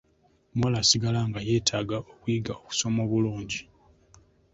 Omwana asigala nga yeetaaga okuyiga okusoma obulungi.